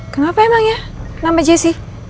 kenapa emang ya nama jessi